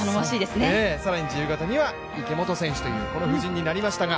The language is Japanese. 更に自由形には池本選手というこの布陣になりましたが。